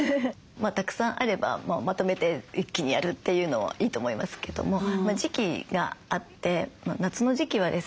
たくさんあればまとめて一気にやるというのはいいと思いますけども時期があって夏の時期はですね